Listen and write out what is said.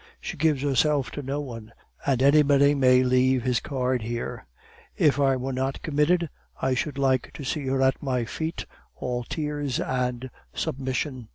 She gives herself to no one, and anybody may leave his card here. If I were not committed, I should like to see her at my feet all tears and submission.